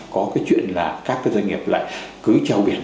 có cái chuyện là các cái doanh nghiệp lại cứ treo biển